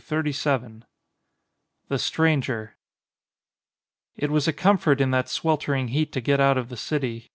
133 XXXV THE STRANGER IT was a comfort in that sweltering heat to get out of the city.